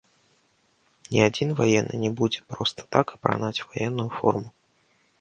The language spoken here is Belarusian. Ні адзін ваенны не будзе проста так апранаць ваенную форму.